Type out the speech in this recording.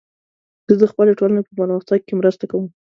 زه د خپلې ټولنې په پرمختګ کې مرسته کوم.